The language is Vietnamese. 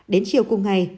đến chiều cùng ngày